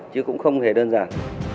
chứ cũng không thể đơn giản